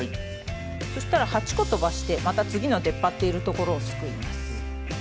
そしたら８個とばしてまた次の出っ張っているところをすくいます。